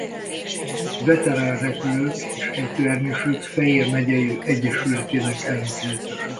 Veterán repülők és ejtőernyősök Fejér megyei Egyesületének elnökhelyettese.